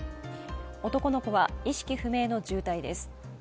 男の子は意識不明の重体です。